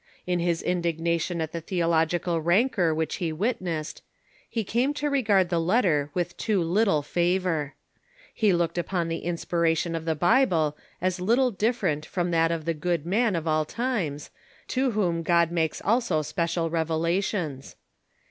In his indignation at the theological rancor which he witnessed, he came to regard the letter with too little favor. He looked upon the insjjira tion of the Bible as little different from that of the good man of all times, to whom God makes also special revelations.